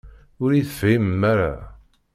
Ur iyi-tefhimem ara.